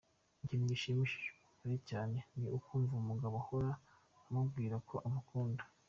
Ikintu gishimisha umugore cyane ni ukumva umugabo ahora amubwira ko amukunda.